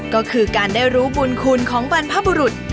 ก็คือการได้รู้บุญคุณของบรรพบุรุษ